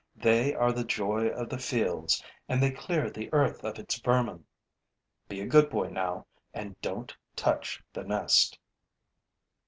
They are the joy of the fields and they clear the earth of its vermin. Be a good boy, now, and don't touch the nest.'